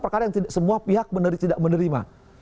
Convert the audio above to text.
perkara yang tidak semua pihak tidak menerima